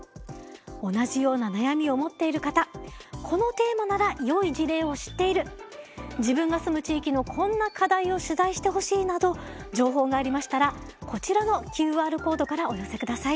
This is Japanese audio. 同じような悩みを持っている方このテーマならよい事例を知っている自分が住む地域のこんな課題を取材してほしいなど情報がありましたらこちらのＱＲコードからお寄せください。